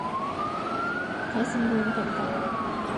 海鮮丼を食べたい。